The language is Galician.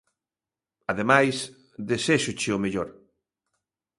Ademais, deséxoche o mellor.